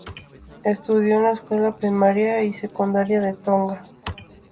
Estudió en la escuela primaria y secundaria de Tonga.